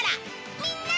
みんな